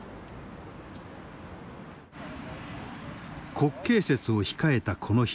国慶節を控えたこの日。